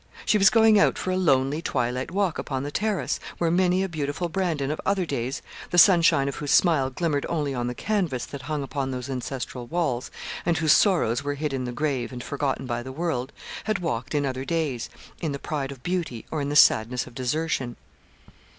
She was going out for a lonely, twilight walk upon the terrace, where many a beautiful Brandon of other days, the sunshine of whose smile glimmered only on the canvas that hung upon those ancestral walls, and whose sorrows were hid in the grave and forgotten by the world, had walked in other days, in the pride of beauty, or in the sadness of desertion.